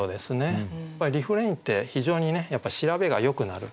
やっぱりリフレインって非常にねやっぱ調べがよくなる。